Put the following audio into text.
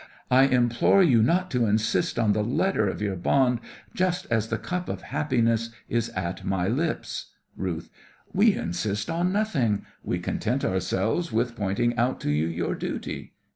I implore you not to insist on the letter of your bond just as the cup of happiness is at my lips! RUTH: We insist on nothing; we content ourselves with pointing out to you your duty.